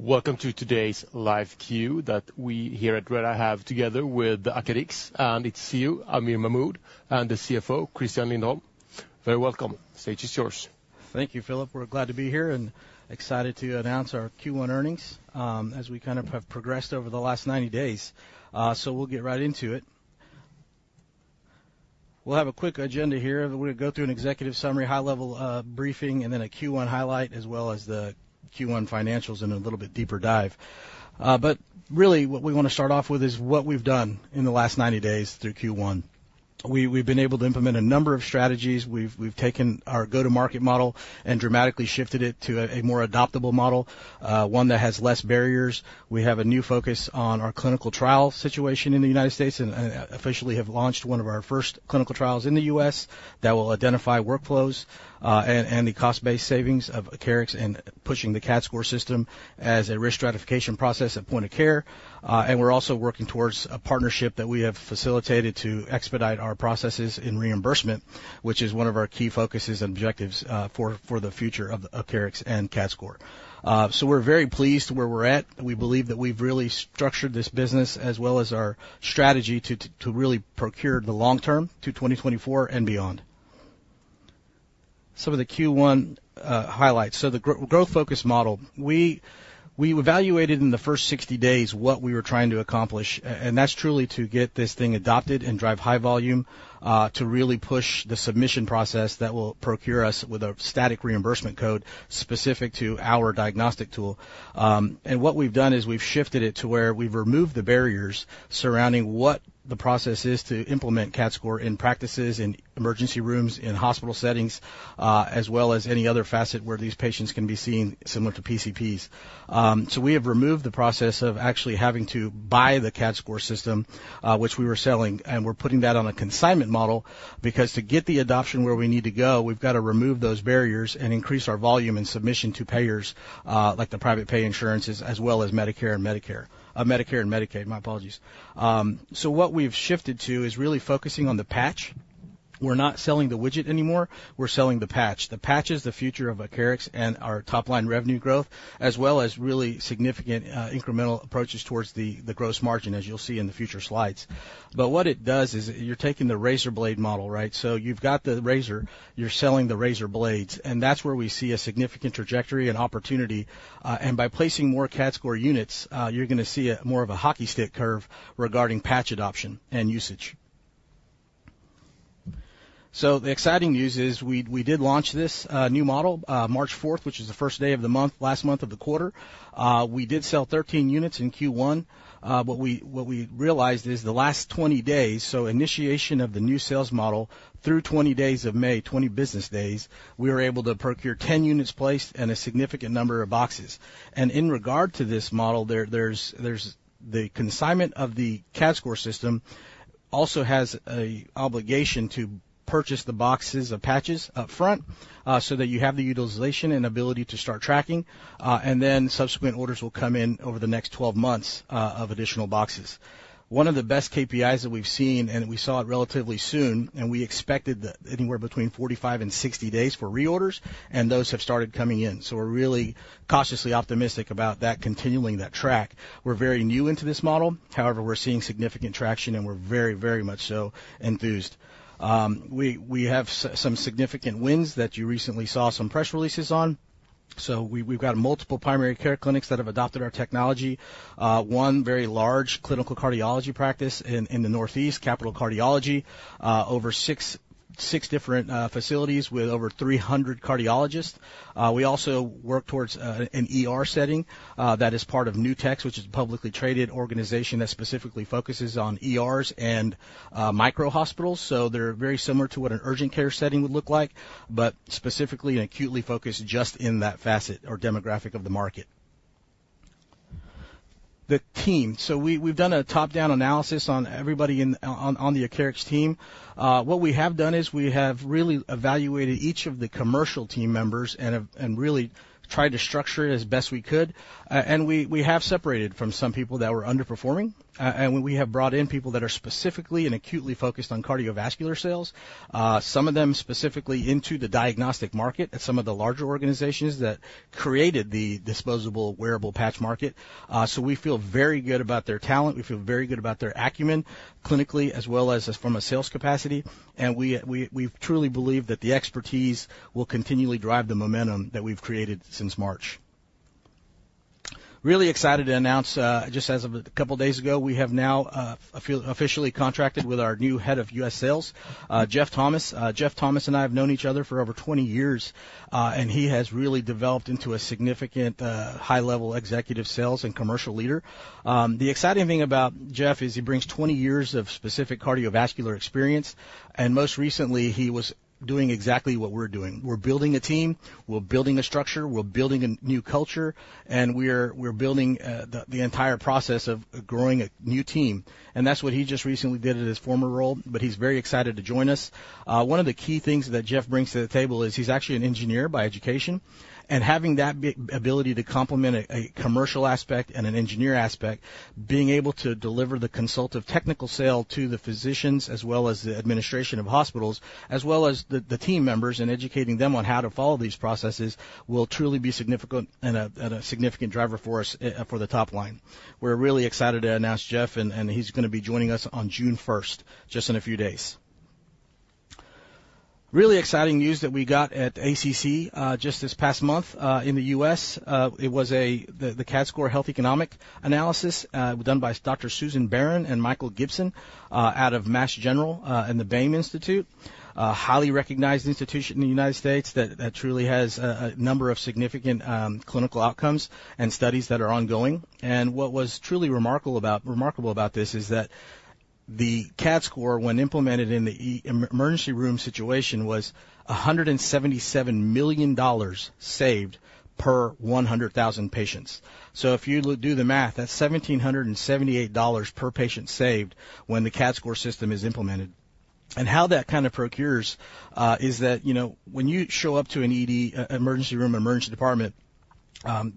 ...Welcome to today's live Q that we here at Redeye have together with Acarix, and its CEO, Aamir Mahmood, and the CFO, Christian Lindholm. Very welcome. Stage is yours. Thank you, Philip. We're glad to be here and excited to announce our Q1 earnings as we kind of have progressed over the last 90 days. So we'll get right into it. We'll have a quick agenda here. We're gonna go through an executive summary, high-level briefing, and then a Q1 highlight, as well as the Q1 financials and a little bit deeper dive. But really, what we want to start off with is what we've done in the last 90 days through Q1. We've been able to implement a number of strategies. We've taken our go-to-market model and dramatically shifted it to a more adoptable model, one that has less barriers. We have a new focus on our clinical trial situation in the United States and officially have launched one of our first clinical trials in the US that will identify workflows and the cost-based savings of Acarix and pushing the CADScor System as a risk stratification process at point of care. And we're also working towards a partnership that we have facilitated to expedite our processes in reimbursement, which is one of our key focuses and objectives for the future of Acarix and CADScor. So we're very pleased where we're at. We believe that we've really structured this business as well as our strategy to really procure the long term to 2024 and beyond. Some of the Q1 highlights. So the growth focus model. We evaluated in the first 60 days what we were trying to accomplish, and that's truly to get this thing adopted and drive high volume, to really push the submission process that will procure us with a static reimbursement code specific to our diagnostic tool. And what we've done is we've shifted it to where we've removed the barriers surrounding what the process is to implement CADScor in practices, in emergency rooms, in hospital settings, as well as any other facet where these patients can be seen similar to PCPs. So we have removed the process of actually having to buy the CADScor System, which we were selling, and we're putting that on a consignment model, because to get the adoption where we need to go, we've got to remove those barriers and increase our volume and submission to payers, like the private pay insurances, as well as Medicare and Medicare, Medicare and Medicaid. My apologies. So what we've shifted to is really focusing on the patch. We're not selling the widget anymore, we're selling the patch. The patch is the future of Acarix and our top-line revenue growth, as well as really significant incremental approaches towards the gross margin, as you'll see in the future slides. But what it does is you're taking the razor blade model, right? So you've got the razor, you're selling the razor blades, and that's where we see a significant trajectory and opportunity. And by placing more CADScor units, you're gonna see more of a hockey stick curve regarding patch adoption and usage. So the exciting news is we did launch this new model March fourth, which is the first day of the month, last month of the quarter. We did sell 13 units in Q1, but what we realized is the last 20 days, so initiation of the new sales model through 20 days of May, 20 business days, we were able to procure 10 units placed and a significant number of boxes. In regard to this model, there's the consignment of the CADScor System also has an obligation to purchase the boxes of patches upfront, so that you have the utilization and ability to start tracking, and then subsequent orders will come in over the next 12 months, of additional boxes. One of the best KPIs that we've seen, and we saw it relatively soon, and we expected that anywhere between 45 and 60 days for reorders, and those have started coming in. So we're really cautiously optimistic about that continuing that track. We're very new into this model, however, we're seeing significant traction, and we're very, very much so enthused. We have some significant wins that you recently saw some press releases on. So we've got multiple primary care clinics that have adopted our technology. One very large clinical cardiology practice in the Northeast, Capital Cardiology, over 6 different facilities with over 300 cardiologists. We also work towards an ER setting that is part of Nutex Health, which is a publicly traded organization that specifically focuses on ERs and micro hospitals. So they're very similar to what an urgent care setting would look like, but specifically and acutely focused just in that facet or demographic of the market. The team. So we've done a top-down analysis on everybody in the Acarix team. What we have done is we have really evaluated each of the commercial team members and have really tried to structure it as best we could. We have separated from some people that were underperforming, and we have brought in people that are specifically and acutely focused on cardiovascular sales, some of them specifically into the diagnostic market at some of the larger organizations that created the disposable wearable patch market. We feel very good about their talent. We feel very good about their acumen, clinically, as well as from a sales capacity. We truly believe that the expertise will continually drive the momentum that we've created since March. Really excited to announce, just as of a couple of days ago, we have now officially contracted with our new head of U.S. sales, Jeff Thomas. Jeff Thomas and I have known each other for over 20 years, and he has really developed into a significant, high-level executive sales and commercial leader. The exciting thing about Jeff is he brings 20 years of specific cardiovascular experience, and most recently, he was doing exactly what we're doing. We're building a team, we're building a structure, we're building a new culture, and we're building the entire process of growing a new team. And that's what he just recently did in his former role, but he's very excited to join us. One of the key things that Jeff brings to the table is he's actually an engineer by education, and having that ability to complement a commercial aspect and an engineer aspect, being able to deliver the consult of technical sale to the physicians, as well as the administration of hospitals, as well as the team members, and educating them on how to follow these processes, will truly be significant and a significant driver for us, for the top line. We're really excited to announce Jeff, and he's gonna be joining us on June first, just in a few days. Really exciting news that we got at ACC, just this past month, in the US. It was the CADScor health economic analysis, done by Dr. Susan Baron and Michael Gibson, out of Mass General, and the Baim Institute, a highly recognized institution in the United States that truly has a number of significant clinical outcomes and studies that are ongoing. What was truly remarkable about this is that the CADScor, when implemented in the emergency room situation, was $177 million saved per 100,000 patients. So if you do the math, that's $1,778 per patient saved when the CADScor System is implemented. And how that kind of procures is that, you know, when you show up to an ED, emergency room, emergency department,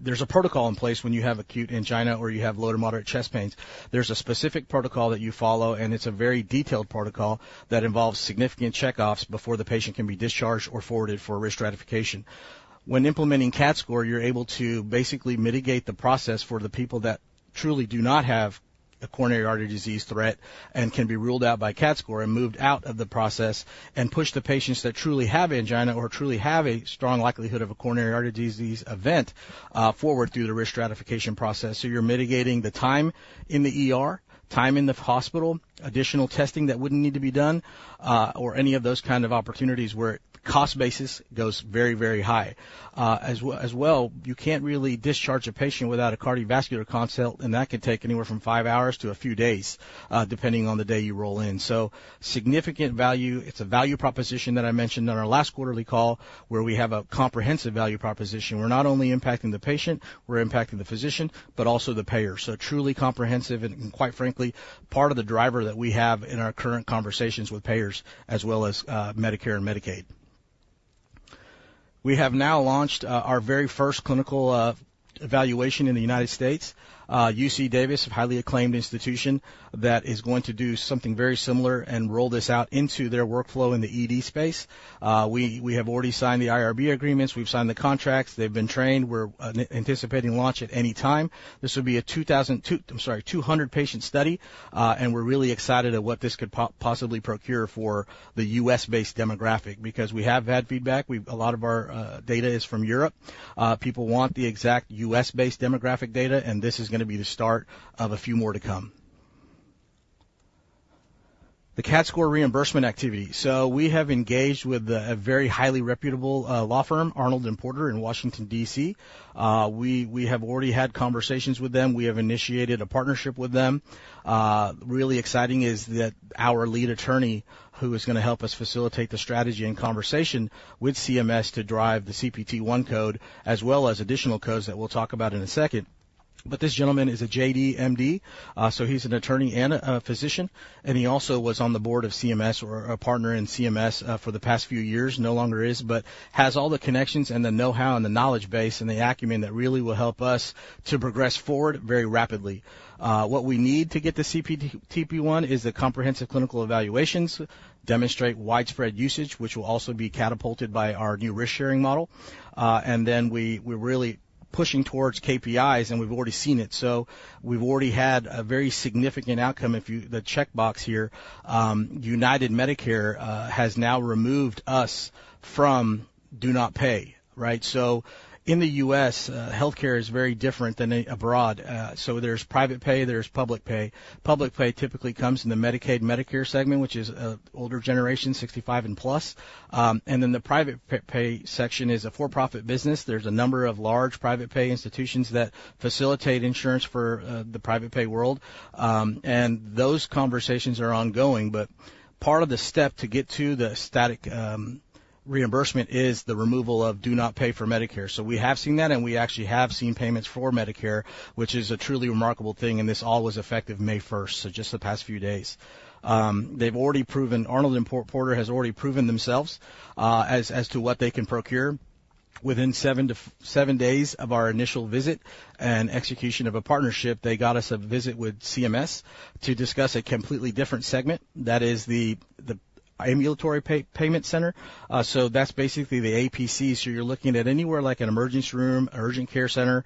there's a protocol in place when you have acute angina or you have low to moderate chest pains. There's a specific protocol that you follow, and it's a very detailed protocol that involves significant checkoffs before the patient can be discharged or forwarded for risk stratification. When implementing CADScor, you're able to basically mitigate the process for the people that truly do not have a coronary artery disease threat and can be ruled out by CADScor and moved out of the process and push the patients that truly have angina or truly have a strong likelihood of a coronary artery disease event forward through the risk stratification process. You're mitigating the time in the ER, time in the hospital, additional testing that wouldn't need to be done, or any of those kind of opportunities where cost basis goes very, very high. As well, you can't really discharge a patient without a cardiovascular consult, and that can take anywhere from five hours to a few days, depending on the day you roll in. So significant value. It's a value proposition that I mentioned on our last quarterly call, where we have a comprehensive value proposition. We're not only impacting the patient, we're impacting the physician, but also the payer. So truly comprehensive and, quite frankly, part of the driver that we have in our current conversations with payers, as well as, Medicare and Medicaid. We have now launched our very first clinical evaluation in the United States, UC Davis, a highly acclaimed institution, that is going to do something very similar and roll this out into their workflow in the ED space. We have already signed the IRB agreements. We've signed the contracts. They've been trained. We're anticipating launch at any time. This will be a 200-patient study, and we're really excited at what this could possibly procure for the US-based demographic, because we have had feedback. A lot of our data is from Europe. People want the exact US-based demographic data, and this is going to be the start of a few more to come. The CADScor reimbursement activity. So we have engaged with a very highly reputable law firm, Arnold & Porter, in Washington, D.C. We have already had conversations with them. We have initiated a partnership with them. Really exciting is that our lead attorney, who is going to help us facilitate the strategy and conversation with CMS to drive the CPT I code, as well as additional codes that we'll talk about in a second. But this gentleman is a JD, MD, so he's an attorney and a, a physician, and he also was on the board of CMS, or a partner in CMS, for the past few years. No longer is, but has all the connections and the know-how and the knowledge base and the acumen that really will help us to progress forward very rapidly. What we need to get to CPT I is the comprehensive clinical evaluations, demonstrate widespread usage, which will also be catapulted by our new risk-sharing model. And then we, we're really pushing towards KPIs, and we've already seen it. So we've already had a very significant outcome, if you... the checkbox here. UnitedHealthcare has now removed us from Do Not Pay, right? So in the U.S., healthcare is very different than abroad. So there's private pay, there's public pay. Public pay typically comes in the Medicaid, Medicare segment, which is older generation, 65 and plus. And then the private pay section is a for-profit business. There's a number of large private pay institutions that facilitate insurance for the private pay world. And those conversations are ongoing, but part of the step to get to the static reimbursement is the removal of Do Not Pay for Medicare. So we have seen that, and we actually have seen payments for Medicare, which is a truly remarkable thing, and this all was effective May first, so just the past few days. They've already proven—Arnold and Porter has already proven themselves, as to what they can procure. Within 7 days of our initial visit and execution of a partnership, they got us a visit with CMS to discuss a completely different segment. That is the Ambulatory Payment Classification. So that's basically the APC. So you're looking at anywhere like an emergency room, urgent care center,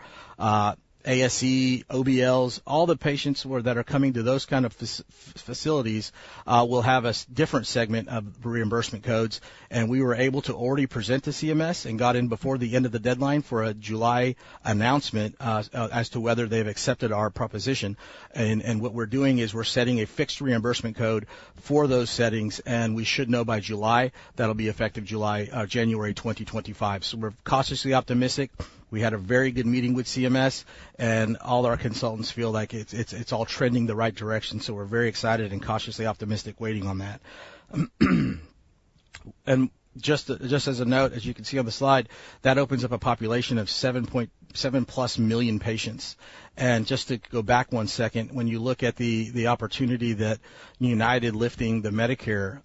ASC, OBLs. All the patients who are coming to those kind of facilities will have a different segment of reimbursement codes, and we were able to already present to CMS and got in before the end of the deadline for a July announcement, as to whether they've accepted our proposition. And what we're doing is we're setting a fixed reimbursement code for those settings, and we should know by July. That'll be effective July, January 2025. So we're cautiously optimistic. We had a very good meeting with CMS, and all our consultants feel like it's all trending the right direction, so we're very excited and cautiously optimistic waiting on that. And just as a note, as you can see on the slide, that opens up a population of 7.7+ million patients. And just to go back one second, when you look at the opportunity that United lifting the Medicare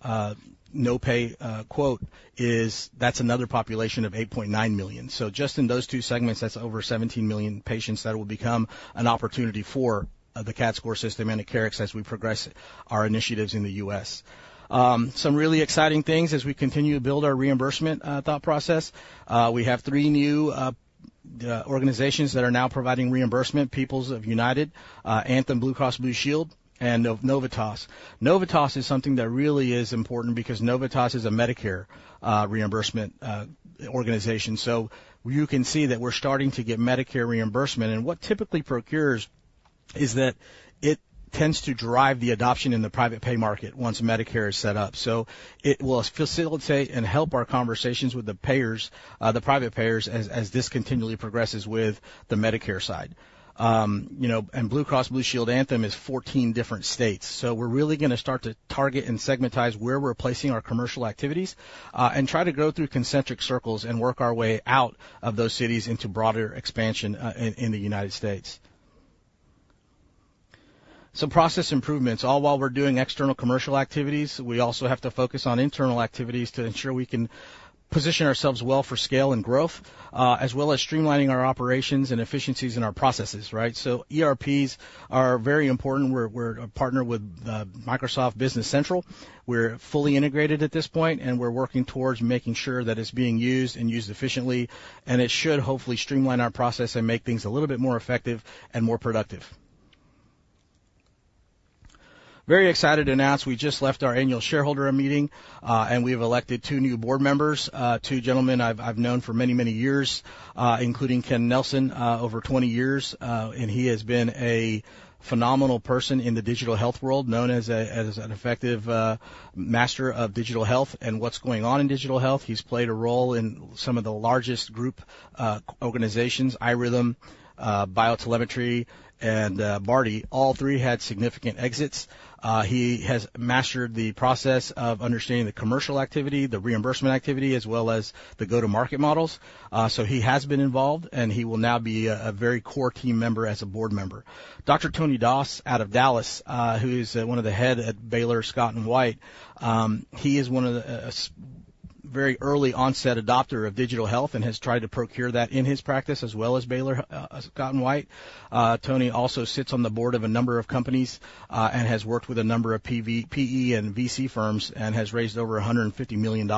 no pay code is that's another population of 8.9 million. So just in those two segments, that's over 17 million patients that will become an opportunity for the CADScor System and Acarix as we progress our initiatives in the US. Some really exciting things as we continue to build our reimbursement thought process. We have three new organizations that are now providing reimbursement, Peoples Health, Anthem Blue Cross Blue Shield, and Novitas. Novitas is something that really is important because Novitas is a Medicare reimbursement organization. So you can see that we're starting to get Medicare reimbursement, and what typically occurs is that it tends to drive the adoption in the private pay market once Medicare is set up. So it will facilitate and help our conversations with the payers, the private payers, as this continually progresses with the Medicare side. You know, and Blue Cross Blue Shield Anthem is 14 different states. So we're really gonna start to target and segmentize where we're placing our commercial activities, and try to go through concentric circles and work our way out of those cities into broader expansion, in the United States. Some process improvements. All while we're doing external commercial activities, we also have to focus on internal activities to ensure we can position ourselves well for scale and growth, as well as streamlining our operations and efficiencies in our processes, right? So ERPs are very important. We're a partner with Microsoft Business Central. We're fully integrated at this point, and we're working towards making sure that it's being used and used efficiently, and it should hopefully streamline our process and make things a little bit more effective and more productive. Very excited to announce we just left our annual shareholder meeting, and we've elected two new board members, two gentlemen I've known for many, many years, including Ken Nelson, over 20 years, and he has been a phenomenal person in the digital health world, known as as an effective master of digital health and what's going on in digital health. He's played a role in some of the largest group organizations, iRhythm, BioTelemetry, and Bardy. All three had significant exits. He has mastered the process of understanding the commercial activity, the reimbursement activity, as well as the go-to-market models. So he has been involved, and he will now be a very core team member as a board member. Dr. Tony Das, out of Dallas, who is one of the head at Baylor Scott & White, he is one of the very early onset adopter of digital health and has tried to procure that in his practice, as well as Baylor Scott & White. Tony also sits on the board of a number of companies, and has worked with a number of PE and VC firms and has raised over $150 million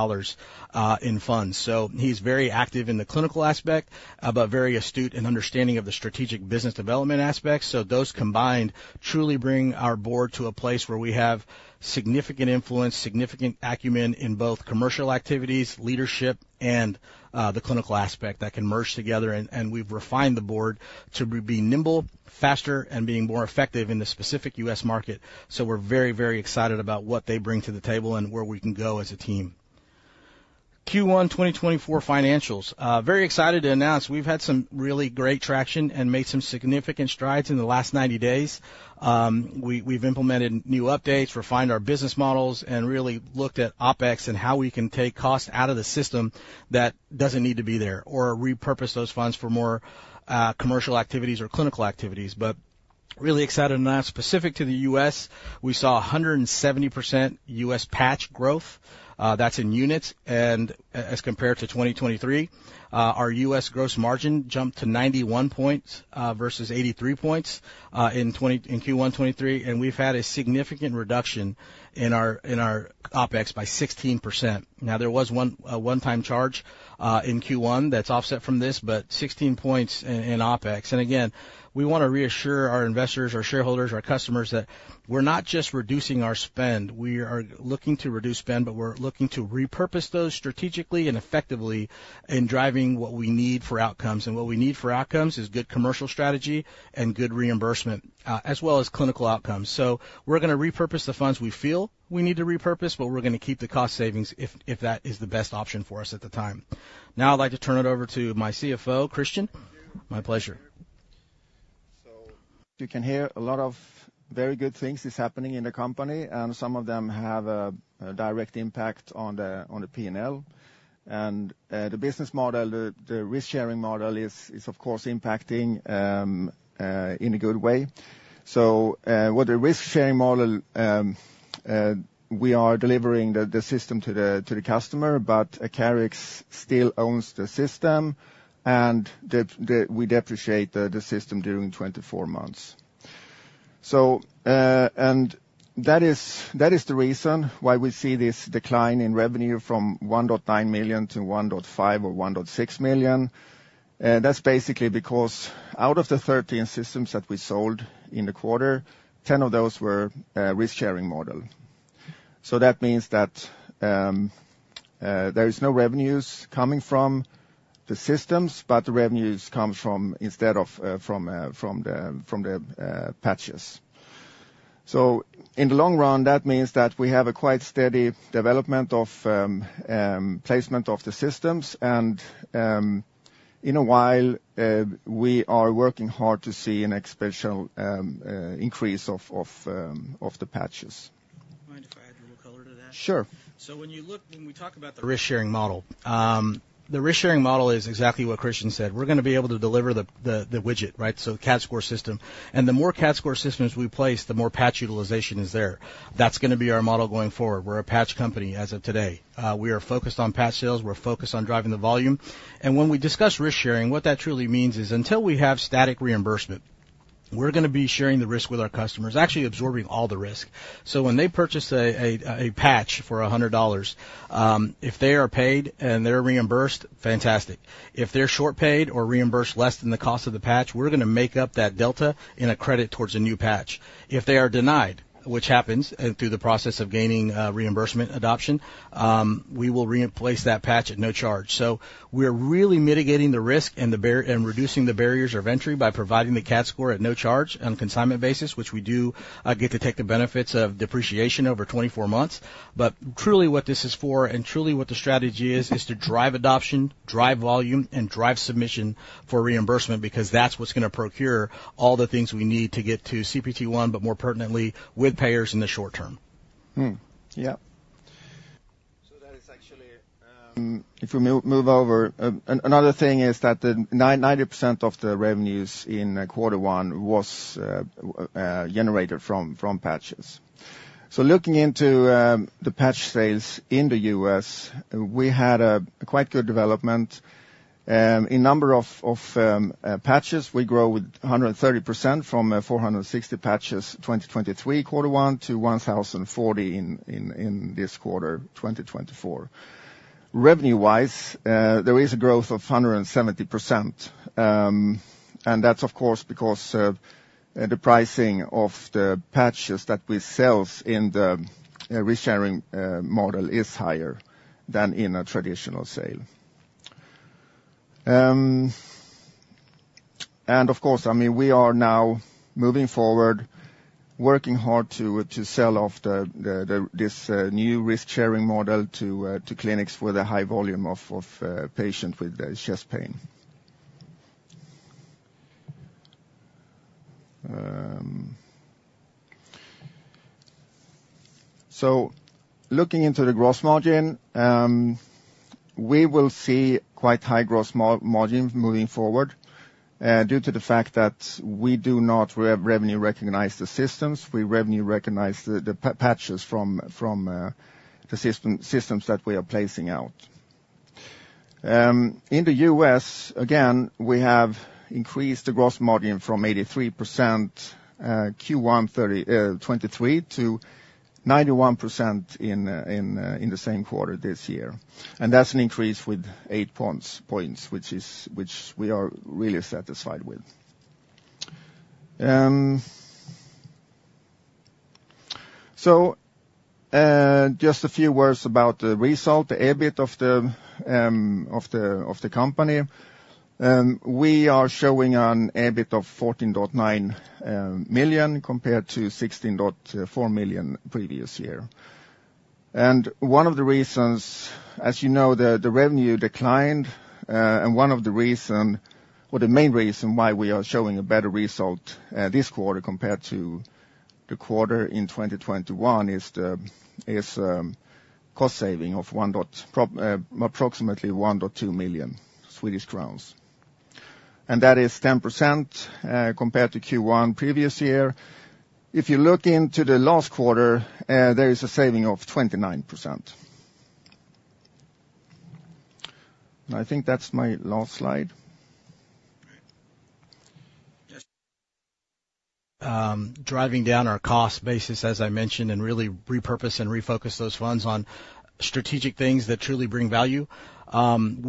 in funds. So he's very active in the clinical aspect, but very astute in understanding of the strategic business development aspects. So those combined truly bring our board to a place where we have significant influence, significant acumen in both commercial activities, leadership, and the clinical aspect that can merge together, and we've refined the board to be nimble, faster, and being more effective in the specific US market. So we're very, very excited about what they bring to the table and where we can go as a team. Q1 2024 financials. Very excited to announce we've had some really great traction and made some significant strides in the last 90 days. We've implemented new updates, refined our business models, and really looked at OpEx and how we can take costs out of the system that doesn't need to be there, or repurpose those funds for more commercial activities or clinical activities. But really excited to announce, specific to the US, we saw 170% US patch growth, that's in units, and as compared to 2023, our US gross margin jumped to 91 points, versus 83 points, in Q1 2023, and we've had a significant reduction in our OpEx by 16%. Now, there was a one-time charge in Q1 that's offset from this, but 16 points in OpEx. And again, we wanna reassure our investors, our shareholders, our customers, that we're not just reducing our spend. We are looking to reduce spend, but we're looking to repurpose those strategically and effectively in driving what we need for outcomes. And what we need for outcomes is good commercial strategy and good reimbursement, as well as clinical outcomes. We're gonna repurpose the funds we feel we need to repurpose, but we're gonna keep the cost savings if, if that is the best option for us at the time. Now I'd like to turn it over to my CFO, Christian. My pleasure. So you can hear a lot of very good things is happening in the company, and some of them have a direct impact on the P&L. And the business model, the risk-sharing model is, of course, impacting in a good way. So with the risk-sharing model, we are delivering the system to the customer, but Acarix still owns the system, and we depreciate the system during 24 months. So and that is the reason why we see this decline in revenue from 1.9 million to 1.5 or 1.6 million. That's basically because out of the 13 systems that we sold in the quarter, 10 of those were a risk-sharing model. So that means that there is no revenues coming from the systems, but the revenues come from instead of from the patches. So in the long run, that means that we have a quite steady development of placement of the systems, and in a while we are working hard to see an exponential increase of the patches. Mind if I add a little color to that? Sure. When we talk about the risk-sharing model, the risk-sharing model is exactly what Christian said. We're gonna be able to deliver the widget, right? So the CADScor System. And the more CADScor Systems we place, the more patch utilization is there. That's gonna be our model going forward. We're a patch company as of today. We are focused on patch sales. We're focused on driving the volume. And when we discuss risk sharing, what that truly means is, until we have static reimbursement... We're gonna be sharing the risk with our customers, actually absorbing all the risk. So when they purchase a patch for $100, if they are paid and they're reimbursed, fantastic. If they're short paid or reimbursed less than the cost of the patch, we're gonna make up that delta in a credit towards a new patch. If they are denied, which happens, through the process of gaining, reimbursement adoption, we will replace that patch at no charge. So we're really mitigating the risk and the barrier and reducing the barriers of entry by providing the CADScor at no charge on a consignment basis, which we do, get to take the benefits of depreciation over 24 months. But truly, what this is for, and truly what the strategy is, is to drive adoption, drive volume, and drive submission for reimbursement, because that's what's gonna procure all the things we need to get to CPT I, but more pertinently, with payers in the short term. Hmm, yep. So that is actually, if we move over, another thing is that the 90% of the revenues in quarter one was generated from patches. So looking into the patch sales in the US, we had a quite good development. In number of patches, we grow with 130% from 460 patches, 2023 quarter one, to 1,040 in this quarter, 2024. Revenue-wise, there is a growth of 170%, and that's, of course, because the pricing of the patches that we sell in the risk-sharing model is higher than in a traditional sale. And of course, I mean, we are now moving forward, working hard to sell this new risk-sharing model to clinics with a high volume of patients with chest pain. So looking into the gross margin, we will see quite high gross margin moving forward, due to the fact that we do not revenue recognize the systems. We revenue recognize the patches from the systems that we are placing out. In the US, again, we have increased the gross margin from 83% Q1 2023 to 91% in the same quarter this year, and that's an increase with eight points, which we are really satisfied with. So, just a few words about the result, the EBIT of the company. We are showing an EBIT of 14.9 million, compared to 16.4 million previous year. And one of the reasons, as you know, the revenue declined, and one of the reason, or the main reason why we are showing a better result, this quarter compared to the quarter in 2021 is the cost saving of approximately 1.2 million Swedish crowns. And that is 10%, compared to Q1 previous year. If you look into the last quarter, there is a saving of 29%. I think that's my last slide. Driving down our cost basis, as I mentioned, and really repurpose and refocus those funds on strategic things that truly bring value. Our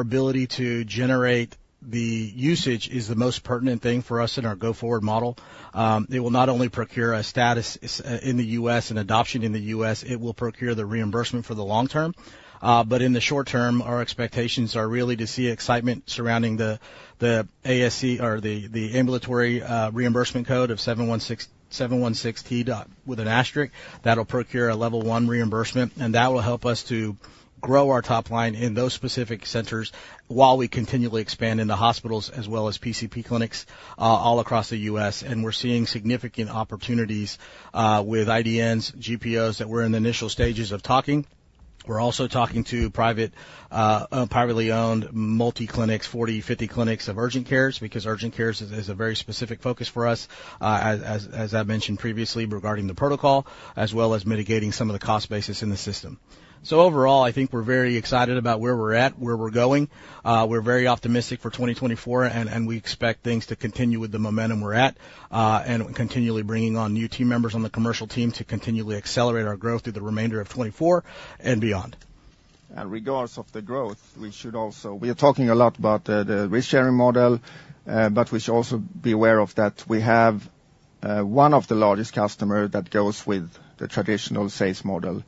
ability to generate the usage is the most pertinent thing for us in our go-forward model. It will not only procure a status in the US and adoption in the US, it will procure the reimbursement for the long term. But in the short term, our expectations are really to see excitement surrounding the APC or the ambulatory reimbursement code of 0716T with an asterisk. That'll procure a level one reimbursement, and that will help us to grow our top line in those specific centers while we continually expand into hospitals as well as PCP clinics all across the US. And we're seeing significant opportunities with IDNs, GPOs, that we're in the initial stages of talking. We're also talking to private, privately owned multi clinics, 40, 50 clinics of urgent cares, because urgent cares is a very specific focus for us, as I mentioned previously, regarding the protocol, as well as mitigating some of the cost basis in the system. So overall, I think we're very excited about where we're at, where we're going. We're very optimistic for 2024, and we expect things to continue with the momentum we're at, and continually bringing on new team members on the commercial team to continually accelerate our growth through the remainder of 2024 and beyond. Regarding the growth, we should also. We are talking a lot about the risk-sharing model, but we should also be aware that we have one of the largest customer that goes with the traditional sales model,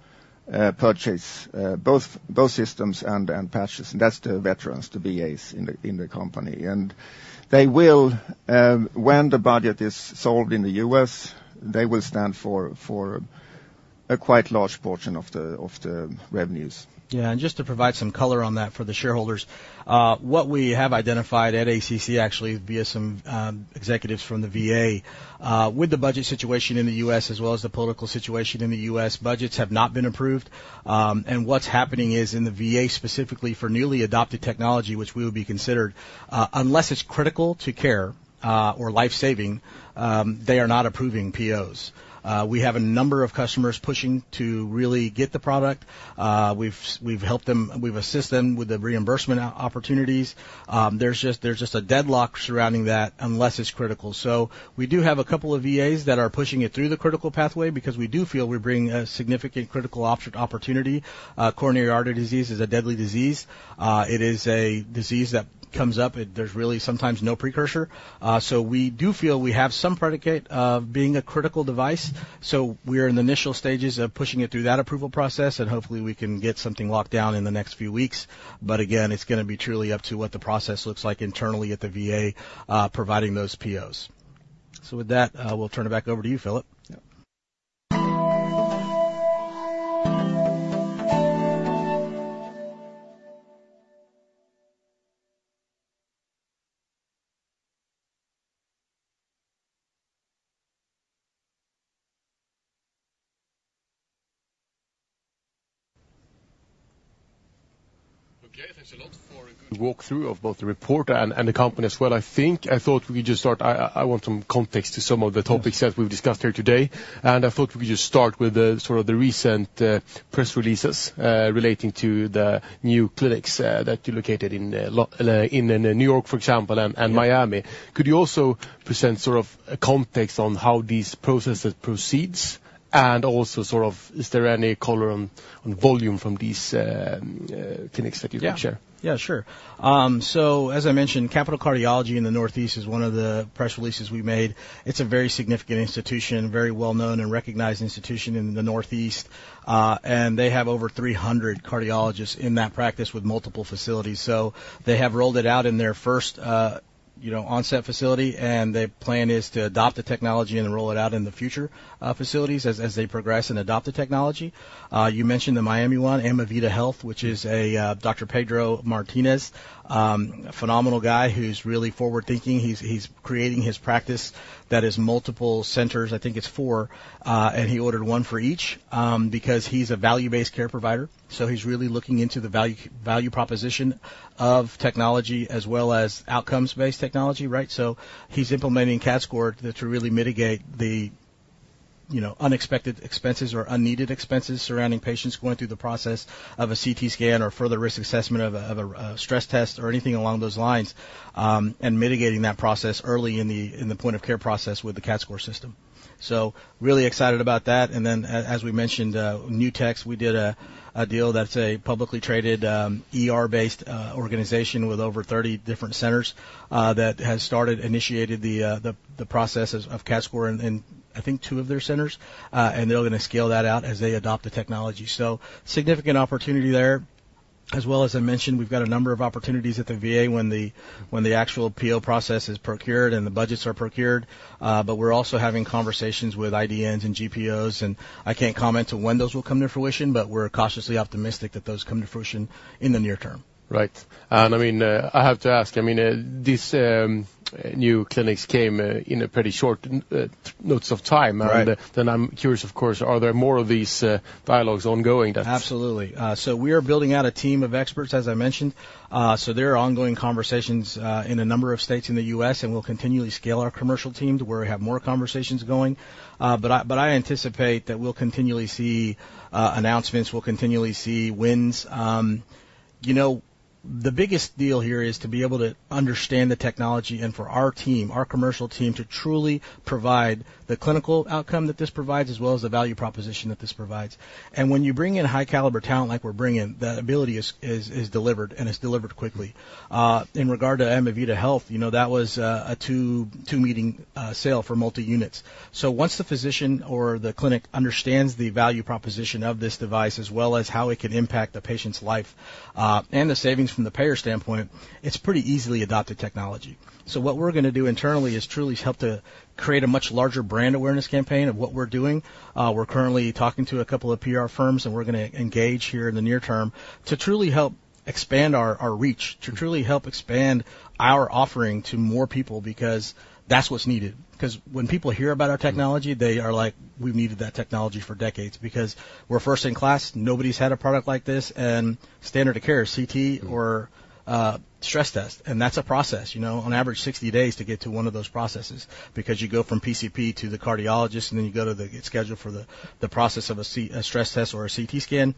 purchase both systems and patches, and that's the veterans, the VAs in the country. And they will, when the budget is solved in the U.S., they will stand for a quite large portion of the revenues. Yeah, and just to provide some color on that for the shareholders, what we have identified at ACC, actually via some executives from the VA, with the budget situation in the U.S. as well as the political situation in the U.S., budgets have not been approved. What's happening is, in the VA, specifically for newly adopted technology, which we would be considered, unless it's critical to care, or life-saving, they are not approving POs. We have a number of customers pushing to really get the product. We've assisted them with the reimbursement opportunities. There's just a deadlock surrounding that, unless it's critical. So we do have a couple of VAs that are pushing it through the critical pathway because we do feel we bring a significant critical option, opportunity. Coronary artery disease is a deadly disease. It is a disease that comes up, there's really sometimes no precursor. So we do feel we have some predicate of being a critical device, so we're in the initial stages of pushing it through that approval process, and hopefully, we can get something locked down in the next few weeks. But again, it's gonna be truly up to what the process looks like internally at the VA, providing those POs. So with that, we'll turn it back over to you, Philip. Yep. Okay, thanks a lot for a good walk-through of both the report and the company as well. I think... I thought we could just start... I want some context to some of the topics- Yeah. -that we've discussed here today, and I thought we could just start with the, sort of the recent press releases relating to the new clinics that you located in New York, for example, and Miami. Yeah. Could you also present sort of a context on how these processes proceed? Also, sort of, is there any color on volume from these clinics that you can share? Yeah. Yeah, sure. So as I mentioned, Capital Cardiology in the Northeast is one of the press releases we made. It's a very significant institution, a very well-known and recognized institution in the Northeast. And they have over 300 cardiologists in that practice with multiple facilities. So they have rolled it out in their first, you know, onset facility, and the plan is to adopt the technology and roll it out in the future facilities as they progress and adopt the technology. You mentioned the Miami one, Amavita Health, which is a Dr. Pedro Martinez-Clark, a phenomenal guy who's really forward-thinking. He's creating his practice that is multiple centers, I think it's 4. And he ordered one for each, because he's a value-based care provider, so he's really looking into the value, value proposition of technology as well as outcomes-based technology, right? So he's implementing CADScor to really mitigate the, you know, unexpected expenses or unneeded expenses surrounding patients going through the process of a CT scan or further risk assessment of a stress test or anything along those lines, and mitigating that process early in the point of care process with the CADScor System. So really excited about that. And then, as we mentioned, Nutex Health, we did a deal that's a publicly traded, ER-based organization with over 30 different centers, that has started initiated the processes of CADScor in, I think, two of their centers. And they're gonna scale that out as they adopt the technology. So significant opportunity there. As well, as I mentioned, we've got a number of opportunities at the VA when the actual PO process is procured and the budgets are procured. But we're also having conversations with IDNs and GPOs, and I can't comment on when those will come to fruition, but we're cautiously optimistic that those come to fruition in the near term. Right. And, I mean, I have to ask, I mean, these new clinics came in a pretty short notice. Right. I'm curious, of course, are there more of these dialogues ongoing that- Absolutely. So we are building out a team of experts, as I mentioned. So there are ongoing conversations in a number of states in the US, and we'll continually scale our commercial team to where we have more conversations going. But I anticipate that we'll continually see announcements, we'll continually see wins. You know, the biggest deal here is to be able to understand the technology and for our team, our commercial team, to truly provide the clinical outcome that this provides, as well as the value proposition that this provides. And when you bring in high caliber talent like we're bringing, that ability is delivered, and it's delivered quickly. In regard to Amavita Health, you know, that was a 2, 2 meeting sale for multi-units. So once the physician or the clinic understands the value proposition of this device, as well as how it could impact the patient's life, and the savings from the payer standpoint, it's pretty easily adopted technology. So what we're gonna do internally is truly help to create a much larger brand awareness campaign of what we're doing. We're currently talking to a couple of PR firms, and we're gonna engage here in the near term to truly help expand our, our reach, to truly help expand our offering to more people, because that's what's needed. 'Cause when people hear about our technology, they are like: "We've needed that technology for decades." Because we're first in class, nobody's had a product like this, and standard of care is CT or, stress test, and that's a process, you know. On average, 60 days to get to one of those processes because you go from PCP to the cardiologist, and then you get scheduled for the process of a stress test or a CT scan,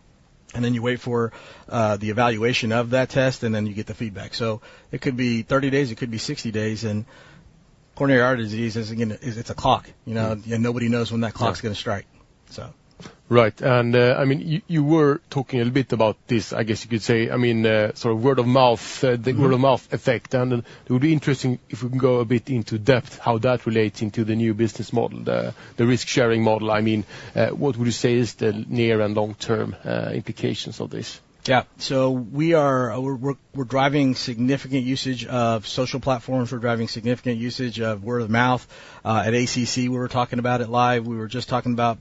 and then you wait for the evaluation of that test, and then you get the feedback. So it could be 30 days, it could be 60 days, and coronary artery disease is, again, it's a clock, you know, and nobody knows when that clock's gonna strike, so-... Right. And, I mean, you were talking a bit about this, I guess you could say, I mean, sort of word of mouth- Mm. the word of mouth effect. And then it would be interesting if we can go a bit in depth, how that relating to the new business model, the, the risk-sharing model. I mean, what would you say is the near and long-term implications of this? Yeah. So we are-- we're driving significant usage of social platforms. We're driving significant usage of word of mouth. At ACC, we were talking about it live. We were just talking about--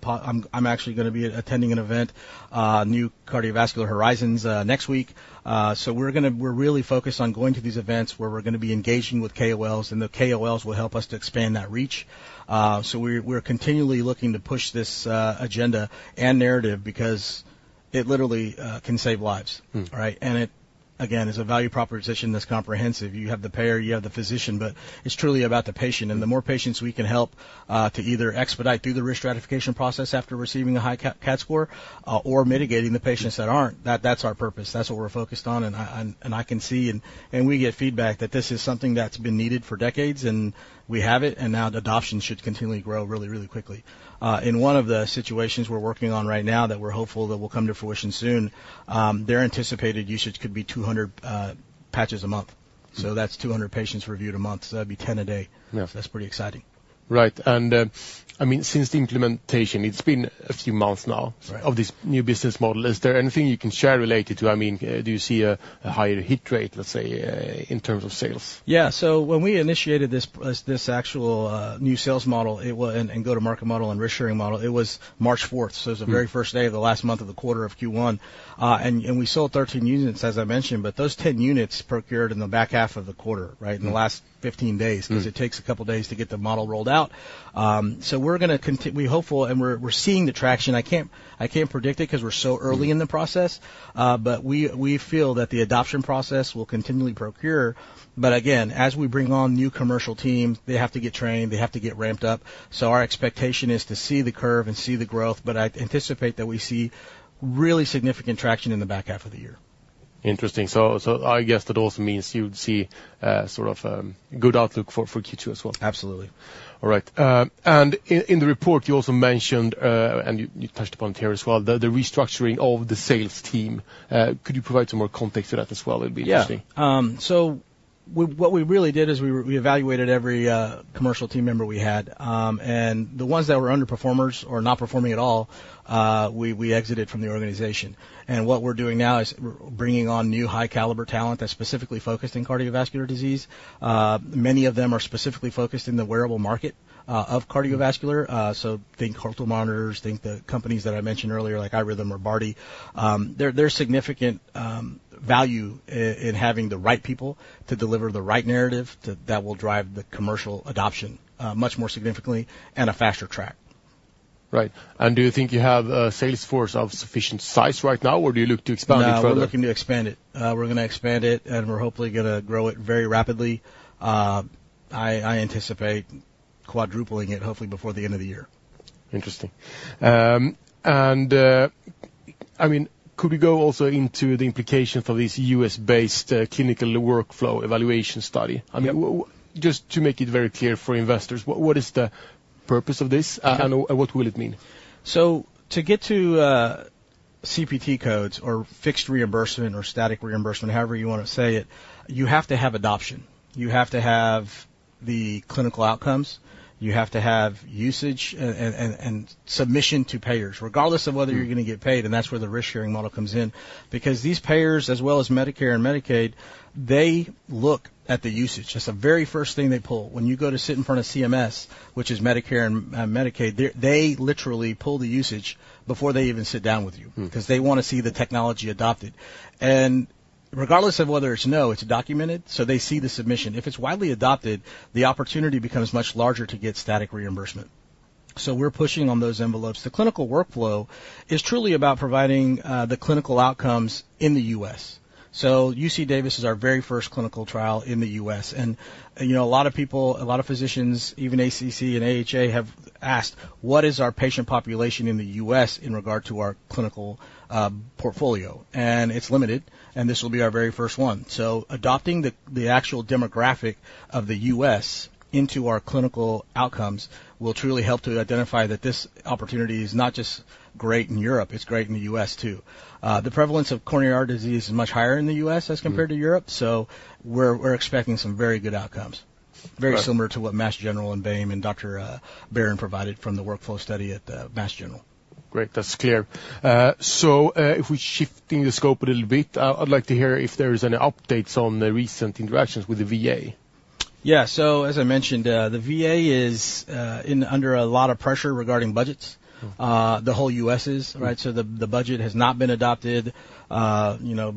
I'm actually gonna be attending an event, New Cardiovascular Horizons, next week. So we're gonna. We're really focused on going to these events, where we're gonna be engaging with KOLs, and the KOLs will help us to expand that reach. So we're continually looking to push this agenda and narrative because it literally can save lives. Mm. Right? It, again, is a value proposition that's comprehensive. You have the payer, you have the physician, but it's truly about the patient. Mm. And the more patients we can help to either expedite through the risk stratification process after receiving a high CAD score, or mitigating the patients that aren't, that's our purpose. That's what we're focused on, and I can see, and we get feedback that this is something that's been needed for decades, and we have it, and now the adoption should continually grow really, really quickly. In one of the situations we're working on right now that we're hopeful that will come to fruition soon, their anticipated usage could be 200 patches a month. Mm. That's 200 patients reviewed a month, so that'd be 10 a day. Yeah. That's pretty exciting. Right. I mean, since the implementation, it's been a few months now- Right... of this new business model. Is there anything you can share related to... I mean, do you see a higher hit rate, let's say, in terms of sales? Yeah, so when we initiated this actual new sales model and go-to-market model and risk-sharing model, it was March fourth. Mm. So it was the very first day of the last month of the quarter of Q1. And we sold 13 units, as I mentioned, but those 10 units procured in the back half of the quarter, right? Mm. In the last 15 days- Mm. 'Cause it takes a couple days to get the model rolled out. So we're gonna, we're hopeful, and we're seeing the traction. I can't predict it 'cause we're so early in the process, but we feel that the adoption process will continually procure. But again, as we bring on new commercial teams, they have to get trained, they have to get ramped up. So our expectation is to see the curve and see the growth, but I anticipate that we see really significant traction in the back half of the year. Interesting. So, I guess that also means you would see sort of good outlook for Q2 as well? Absolutely. All right. And in the report, you also mentioned, and you touched upon it here as well, the restructuring of the sales team. Could you provide some more context to that as well? It'd be interesting. Yeah. So what we really did is we evaluated every commercial team member we had. And the ones that were underperformers or not performing at all, we exited from the organization. And what we're doing now is we're bringing on new high-caliber talent that's specifically focused in cardiovascular disease. Many of them are specifically focused in the wearable market of cardiovascular. Mm. So think heart monitors, think the companies that I mentioned earlier, like iRhythm or Bardy. There's significant value in having the right people to deliver the right narrative, that will drive the commercial adoption much more significantly and a faster track. Right. And do you think you have a sales force of sufficient size right now, or do you look to expand it further? No, we're looking to expand it. We're gonna expand it, and we're hopefully gonna grow it very rapidly. I anticipate quadrupling it, hopefully before the end of the year. Interesting. And, I mean, could we go also into the implication for this U.S.-based clinical workflow evaluation study? Yeah. I mean, just to make it very clear for investors, what, what is the purpose of this? Okay. What will it mean? So to get to CPT codes or fixed reimbursement or static reimbursement, however you wanna say it, you have to have adoption. You have to have the clinical outcomes. You have to have usage and submission to payers, regardless of whether- Mm... you're gonna get paid, and that's where the risk-sharing model comes in. Because these payers, as well as Medicare and Medicaid, they look at the usage. That's the very first thing they pull. When you go to sit in front of CMS, which is Medicare and, Medicaid, they literally pull the usage before they even sit down with you. Mm. 'Cause they wanna see the technology adopted. And regardless of whether it's no, it's documented, so they see the submission. If it's widely adopted, the opportunity becomes much larger to get static reimbursement, so we're pushing on those envelopes. The clinical workflow is truly about providing the clinical outcomes in the U.S. So UC Davis is our very first clinical trial in the U.S., and, you know, a lot of people, a lot of physicians, even ACC and AHA, have asked: What is our patient population in the U.S. in regard to our clinical portfolio? And it's limited, and this will be our very first one. So adopting the actual demographic of the U.S. into our clinical outcomes will truly help to identify that this opportunity is not just great in Europe, it's great in the U.S., too. The prevalence of coronary artery disease is much higher in the U.S. Mm... as compared to Europe, so we're expecting some very good outcomes- Right... very similar to what Mass General and Baim and Dr. Baron provided from the workflow study at Mass General. Great, that's clear. So, if we're shifting the scope a little bit, I'd like to hear if there is any updates on the recent interactions with the VA. Yeah. As I mentioned, the VA is under a lot of pressure regarding budgets. Mm. The whole U.S. is- Right... so the budget has not been adopted. You know,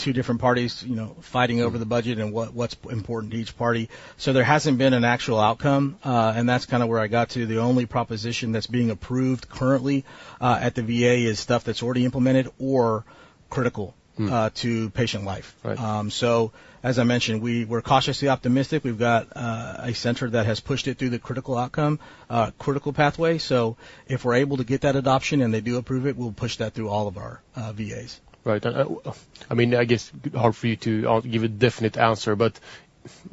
two different parties, you know, fighting over the budget and what's important to each party. So there hasn't been an actual outcome, and that's kinda where I got to. The only proposition that's being approved currently at the VA is stuff that's already implemented or critical- Mm... to patient life. Right. So, as I mentioned, we're cautiously optimistic. We've got a center that has pushed it through the critical outcome, critical pathway, so if we're able to get that adoption and they do approve it, we'll push that through all of our VAs. Right. I mean, I guess hard for you to give a definite answer, but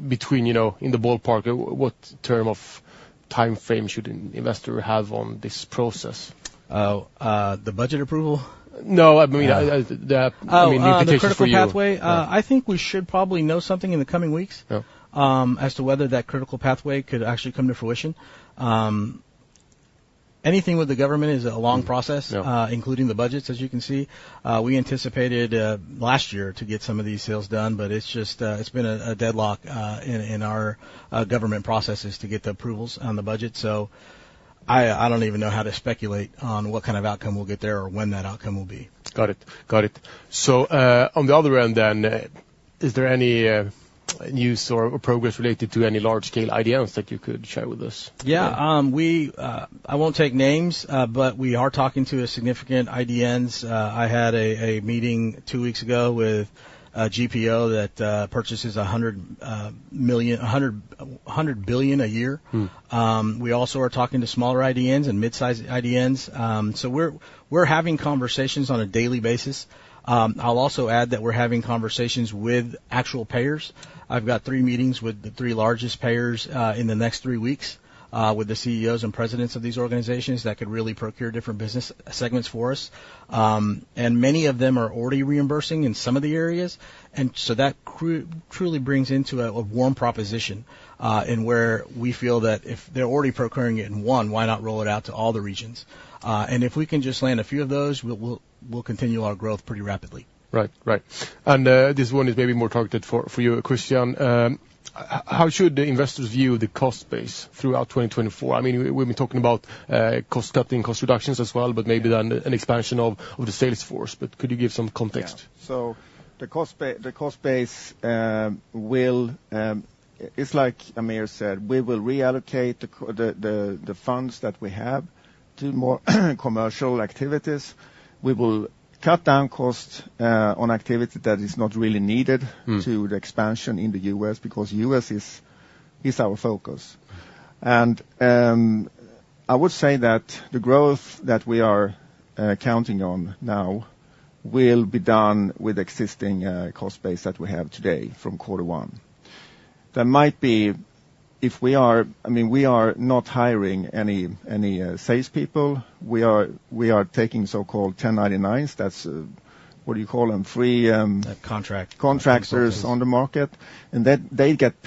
between, you know, in the ballpark, what term of time frame should an investor have on this process? Oh, the budget approval? No, I mean the- Oh, the critical pathway? Yeah. I think we should probably know something in the coming weeks- Yeah as to whether that critical pathway could actually come to fruition. Anything with the government is a long process. Mm-hmm. Yeah Including the budgets, as you can see. We anticipated last year to get some of these sales done, but it's just, it's been a deadlock in our government processes to get the approvals on the budget. So I don't even know how to speculate on what kind of outcome we'll get there or when that outcome will be. Got it. Got it. So, on the other end then, is there any news or progress related to any large-scale IDNs that you could share with us? Yeah. I won't take names, but we are talking to significant IDNs. I had a meeting two weeks ago with a GPO that purchases $100 billion a year. Mm. We also are talking to smaller IDNs and mid-sized IDNs. So we're having conversations on a daily basis. I'll also add that we're having conversations with actual payers. I've got three meetings with the three largest payers in the next three weeks with the CEOs and presidents of these organizations that could really procure different business segments for us. And many of them are already reimbursing in some of the areas, and so that truly brings into a warm proposition in where we feel that if they're already procuring it in one, why not roll it out to all the regions? And if we can just land a few of those, we'll continue our growth pretty rapidly. Right. Right. And this one is maybe more targeted for you, Christian. How should the investors view the cost base throughout 2024? I mean, we've been talking about cost cutting, cost reductions as well, but maybe then an expansion of the sales force. But could you give some context? Yeah. So the cost base will. It's like Aamir said, we will reallocate the funds that we have to more commercial activities. We will cut down costs on activity that is not really needed- Mm -to the expansion in the U.S., because U.S. is our focus. And I would say that the growth that we are counting on now will be done with existing cost base that we have today from quarter one. There might be. If we are, I mean, we are not hiring any salespeople. We are taking so-called 1099s. That's what you call them? Free, The contract contractors on the market, and then they get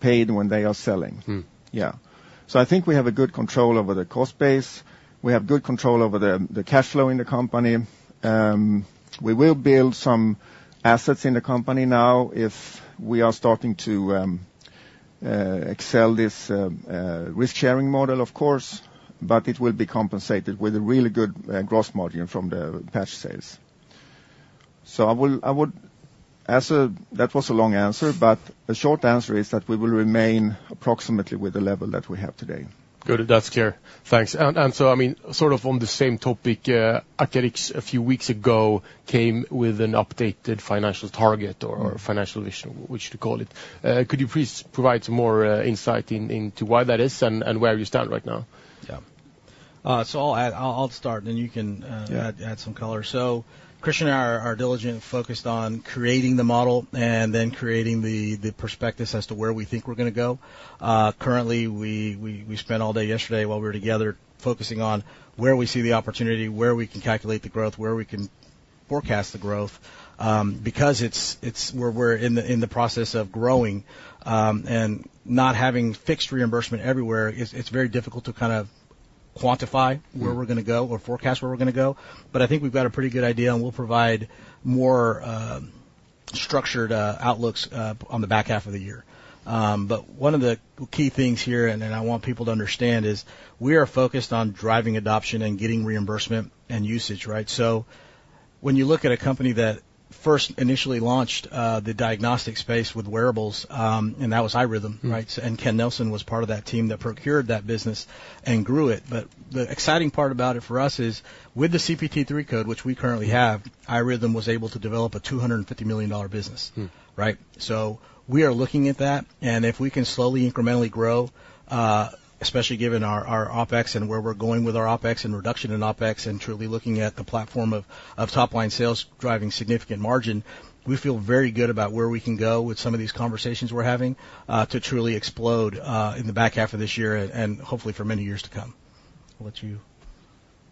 paid when they are selling. Mm. Yeah. So I think we have a good control over the cost base. We have good control over the, the cash flow in the company. We will build some assets in the company now, if we are starting to, excel this, risk-sharing model, of course, but it will be compensated with a really good, gross margin from the patch sales. So I will, I would, as a-- That was a long answer, but the short answer is that we will remain approximately with the level that we have today. Good. That's clear. Thanks. And so, I mean, sort of on the same topic, Acarix, a few weeks ago, came with an updated financial target or- Mm -financial vision, which you call it. Could you please provide some more insight into why that is and where you stand right now? Yeah. So I'll start, and then you can... Yeah... add some color. So Christian and I are diligent and focused on creating the model and then creating the perspectives as to where we think we're gonna go. Currently, we spent all day yesterday while we were together, focusing on where we see the opportunity, where we can calculate the growth, where we can forecast the growth. Because it's we're in the process of growing, and not having fixed reimbursement everywhere, it's very difficult to kind of quantify- Mm where we're gonna go or forecast where we're gonna go. But I think we've got a pretty good idea, and we'll provide more, structured, outlooks, on the back half of the year. But one of the key things here, and, and I want people to understand, is we are focused on driving adoption and getting reimbursement and usage, right? So when you look at a company that first initially launched, the diagnostic space with wearables, and that was iRhythm, right? Mm. Ken Nelson was part of that team that procured that business and grew it. The exciting part about it for us is, with the CPT III code, which we currently have, iRhythm was able to develop a $250 million business. Mm. Right? So we are looking at that, and if we can slowly, incrementally grow, especially given our, our OpEx and where we're going with our OpEx and reduction in OpEx, and truly looking at the platform of, of top-line sales, driving significant margin, we feel very good about where we can go with some of these conversations we're having, to truly explode, in the back half of this year and, and hopefully for many years to come. I'll let you-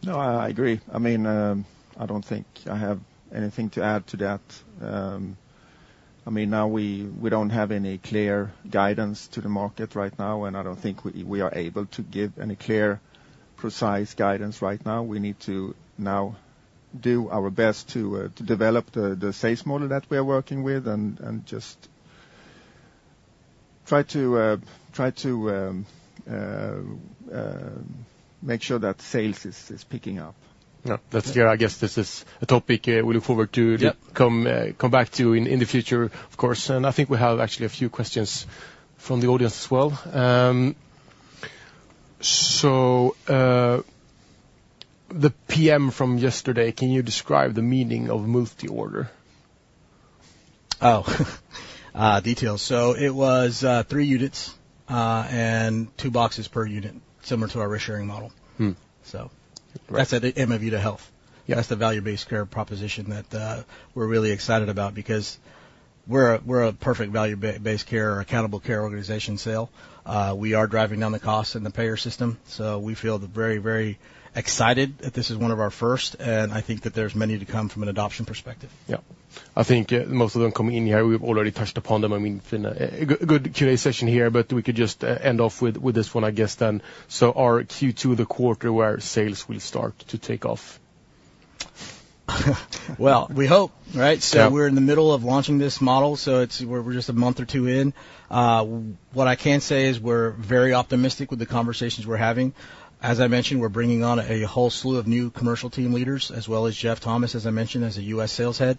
No, I agree. I mean, I don't think I have anything to add to that. I mean, now we don't have any clear guidance to the market right now, and I don't think we are able to give any clear, precise guidance right now. We need to now do our best to develop the sales model that we are working with and just try to make sure that sales is picking up. Yeah. That's clear. I guess this is a topic, we look forward to- Yeah To come back to in the future, of course. I think we have actually a few questions from the audience as well. The PM from yesterday, can you describe the meaning of multi-order? Oh, details. So it was three units and two boxes per unit, similar to our risk-sharing model. Mm. So- Great... that's the aim of VA Health. Yeah. That's the value-based care proposition that we're really excited about because we're a perfect value-based care or accountable care organization sale. We are driving down the costs in the payer system, so we feel very, very excited that this is one of our first, and I think that there's many to come from an adoption perspective. Yeah. I think most of them coming in here, we've already touched upon them. I mean, it's been a good QA session here, but we could just end off with this one, I guess, then. So are Q2 the quarter where our sales will start to take off? Well, we hope, right? Yeah. So we're in the middle of launching this model, so it's... We're, we're just a month or two in. What I can say is we're very optimistic with the conversations we're having. As I mentioned, we're bringing on a whole slew of new commercial team leaders, as well as Jeff Thomas, as I mentioned, as a U.S. sales head.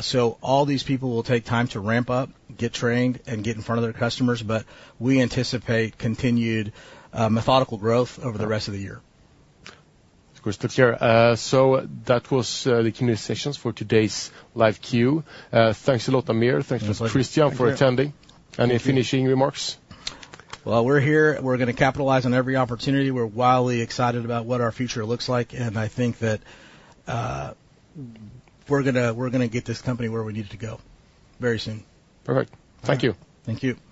So all these people will take time to ramp up, get trained, and get in front of their customers, but we anticipate continued, methodical growth over the rest of the year. Of course. That's clear. So that was the community sessions for today's live queue. Thanks a lot, Aamir. My pleasure. Thanks, Christian, for attending. Thank you. Any finishing remarks? Well, we're here. We're gonna capitalize on every opportunity. We're wildly excited about what our future looks like, and I think that, we're gonna get this company where we need it to go very soon. Perfect. Thank you. Thank you.